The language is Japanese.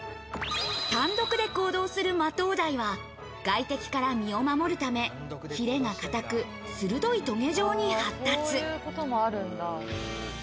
単独で行動するマトウダイは、外敵から身を守るため、ヒレが硬く、鋭いとげ状に発達。